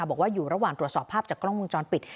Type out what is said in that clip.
บอกว่าอยู่ระหว่างตรวจสอบภาพจากกล้องวงจรปิด